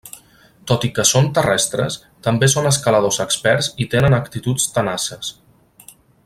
Tot i que són terrestres, també són escaladors experts i tenen actituds tenaces.